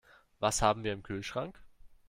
Was haben wir im Kühlschrank?